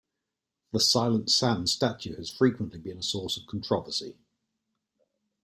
The Silent Sam statue has frequently been a source of controversy.